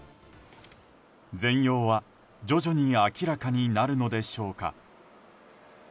全容は徐々に明らかになるのでしょうか。